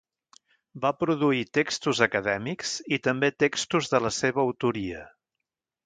Va produir textos acadèmics i també textos de la seva autoria.